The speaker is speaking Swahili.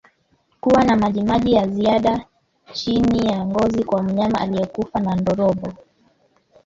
Kuwa na majimaji ya ziada chini ya ngozi kwa mnyama aliyekufa na ndorobo